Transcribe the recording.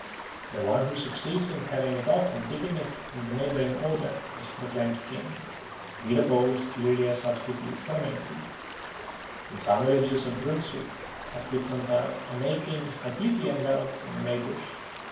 The one who succeeds in carrying it off and dipping it in the neighbouring Oder is proclaimed King. Here the pole is clearly a substitute for a May tree. In some villages of Brunswick at Whitsuntide a May King is completely enveloped in a May bush.